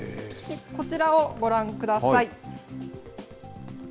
こちらをご覧ください。